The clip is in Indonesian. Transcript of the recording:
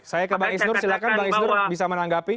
saya ke bang isnur silahkan bang isnur bisa menanggapi